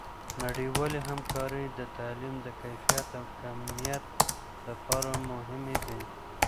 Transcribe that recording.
نړیوالې همکارۍ د تعلیم د کیفیت او کمیت لپاره مهمې دي.